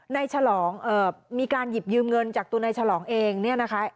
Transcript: ฉลองมีการหยิบยืมเงินจากตัวนายฉลองเองเนี่ยนะคะ